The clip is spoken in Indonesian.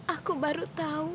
aku baru tau